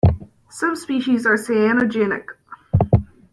Some species are cyanogenic.